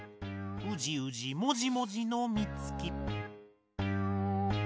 ウジウジモジモジのミツキ。